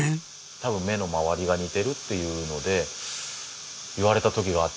多分目の周りが似てるっていうので言われた時があって。